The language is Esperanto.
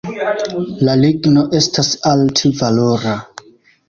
La ligno estas alt-valora.